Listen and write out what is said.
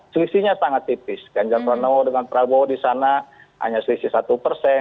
selisihnya sangat tipis ganjar pranowo dengan prabowo di sana hanya selisih satu persen